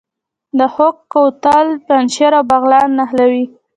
د خاوک کوتل پنجشیر او بغلان نښلوي